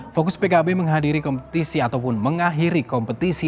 fokus pkb menghadiri kompetisi ataupun mengakhiri kompetisi